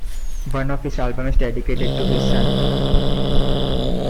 One of his albums is dedicated to his son.